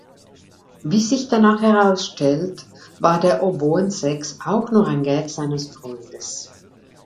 Wie sich danach herausstellt, war der „Oboen-Sex“ auch nur ein Gag seines Freundes.